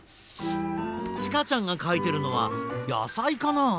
ちかちゃんがかいてるのはやさいかな？